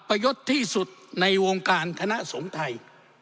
ความอัปยศที่สุดในวงการคณะสงฆ์ไทย